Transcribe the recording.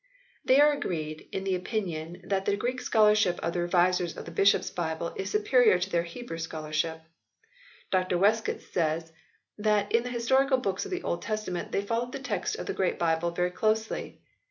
They are agreed in the opinion that the Greek scholarship of the revisers of the Bishops Bible is superior to their Hebrew scholarship. Dr Westcott says that in the Historical Books of the Old Testament they followed the text of the Great Bible very closely.